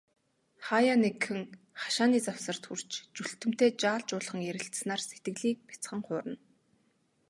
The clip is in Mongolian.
Хааяа нэгхэн, хашааны завсарт хүрч, Чүлтэмтэй жаал жуулхан ярилцсанаар сэтгэлийг бяцхан хуурна.